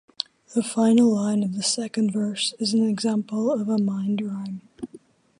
The final line of the second verse is an example of a mind rhyme.